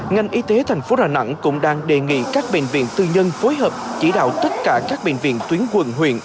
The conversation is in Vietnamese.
ngành y tế thành phố đà nẵng cũng đang đề nghị các bệnh viện tư nhân phối hợp chỉ đạo tất cả các bệnh viện tuyến quận huyện